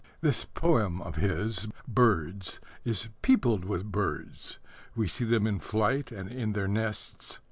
This poem of his, Birds, is peopled with birds. We see them in flight and in their nests.